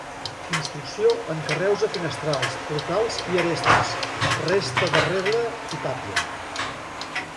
Construcció en carreus a finestrals, portals i arestes; resta de reble i tàpia.